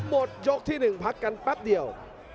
หมดยกที่๑พักกันแป๊บเดียว